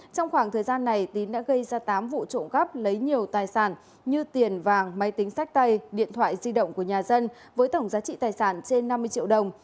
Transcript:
trong khoảng thời gian này tín đã gây ra tám vụ trộm cắp lấy nhiều tài sản như tiền vàng máy tính sách tay điện thoại di động của nhà dân với tổng giá trị tài sản trên năm mươi triệu đồng